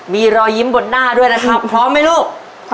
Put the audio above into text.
มีรอยยิ้มบนหน้าด้วยนะครับพร้อมไหมลูก